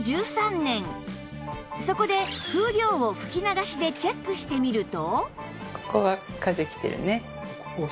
そこで風量を吹き流しでチェックしてみると